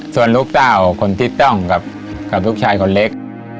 ส่วนลูกสาวคือคนติดตั้งกับลูกชายคนเล็ก